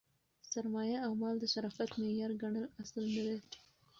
سرمایه او مال د شرافت معیار ګڼل اصل نه دئ.